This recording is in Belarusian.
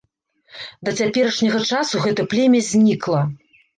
Да цяперашняга часу гэта племя знікла.